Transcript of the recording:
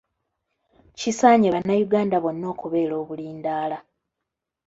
Kisaanye Bannayuganda bonna okubeera obulindaala.